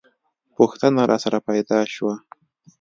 پوښتنه راسره پیدا شوه.